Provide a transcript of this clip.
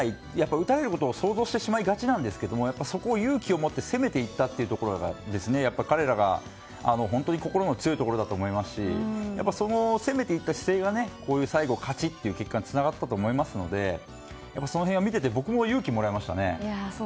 打たれることを想像してしまいがちなんですけどそこを勇気を持って攻めていったというところが彼らが本当に心が強いところだと思いますし攻めていった姿勢が最後の勝ちという結果につながったと思いますのでその辺は見ていて僕も勇気をもらえましたね。